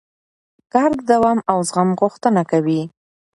کار د دوام او زغم غوښتنه کوي